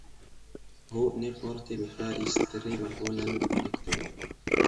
Ho, ne forte, mi faris tre malbonan elekton.